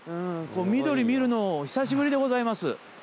緑見るの久しぶりでございます。